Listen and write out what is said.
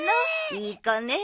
いい子ねえ。